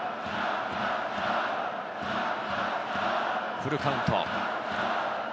フルカウント。